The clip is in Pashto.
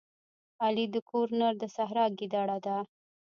علي د کور نر د سحرا ګیدړه ده.